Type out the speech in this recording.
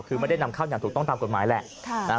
คือไม่ได้นำเข้าอย่างถูกต้องตามกฎหมายแหละ